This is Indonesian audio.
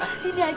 gak paham sih